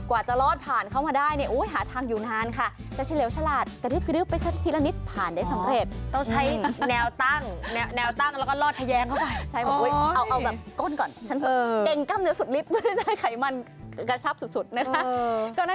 ว่าผ่านได้เราภูมิใจไงเราผอม